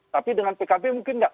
tapi dengan pks mungkin tidak